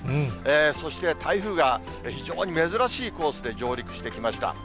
そして台風が非常に珍しいコースで上陸してきました。